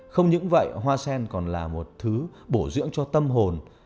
không những vậy hoa sen còn là một thứ bổ dưỡng cho tâm hồn